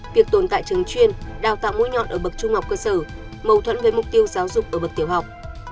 việc tồn tại trường chuyên đào tạo mũi nhọn ở bậc trung học cơ sở mâu thuẫn với mục tiêu giáo dục ở bậc tiểu học